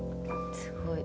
すごい。